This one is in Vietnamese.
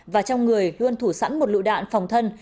và trong người luôn thủ sẵn một lụ đạn phòng thân